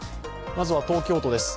まずは東京都です。